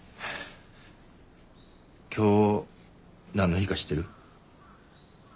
今日何の日か知ってる？